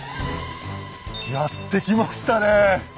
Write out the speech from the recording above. やって来ましたねえ！